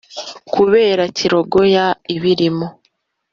kubera kirogoya ibirimo;